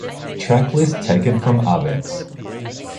Track list taken from Avex.